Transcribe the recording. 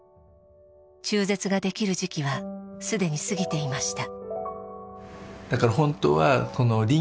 中絶ができる時期はすでに過ぎていました。